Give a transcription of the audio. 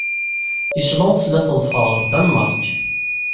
Island tella teḍfer ɣer Danmaṛk.